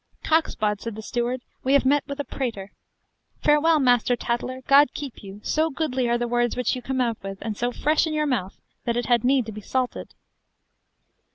Cocksbod, said the steward, we have met with a prater. Farewell, master tattler, God keep you, so goodly are the words which you come out with, and so fresh in your mouth, that it had need to be salted.